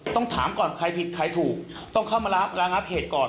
ต้องถามก่อนใครผิดใครถูกต้องเข้ามาระงับเหตุก่อน